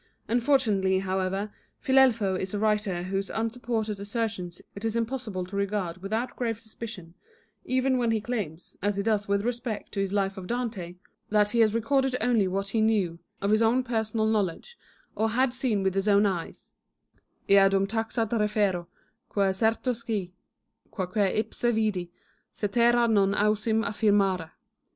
Unfortunately, however, Filelfo is a writer whose un supported assertions it is impossible to regard without grave suspicion, even when he claims, as he does with respect to his life of Dante, that he has recorded only xxx LETTERS OF DANTE what he knew of his own personal knowledge, or had seen with his own eyes —' ea dumtaxat refero, quae certo scio, quaeque ipse vidi, cetera non ausim affirmare